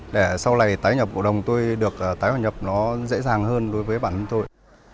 để sau này tái nhập cổ đồng tôi được tái hòa nhập nó dễ dàng hơn đối với bản thân tôi